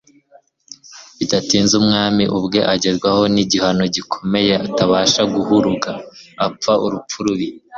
bidatinze umwami ubwe agerwaho n'igihano gikomeye atabasha guhuruga. Apfa urupfu rubi.